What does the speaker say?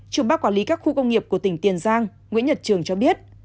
chủ bác quản lý các khu công nghiệp của tỉnh tiền giang nguyễn nhật trường cho biết